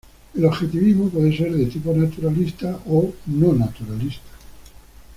El objetivismo puede ser de tipo naturalista o no naturalista.